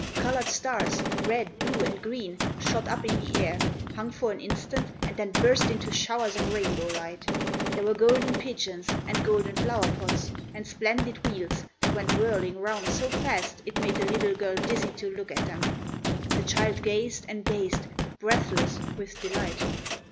Coloured stars, red, blue and green, shot up in the air, hung for an instant, and then burst into showers of rainbow light. There were golden pigeons, and golden flower pots, and splendid wheels, that went whirling round so fast it made the little girl dizzy to look at them. The child gazed and gazed, breathless with delight.